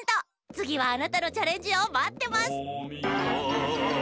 つぎはあなたのチャレンジをまってます！